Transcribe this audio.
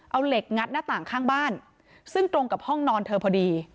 เอาเหล็กงัดหน้าต่างข้างบ้านซึ่งตรงกับห้องนอนเธอพอดี